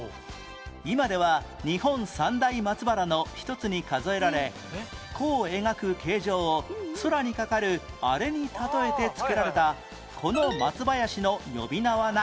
今では日本三大松原の一つに数えられ弧を描く形状を空にかかるあれに例えて付けられたこの松林の呼び名は何？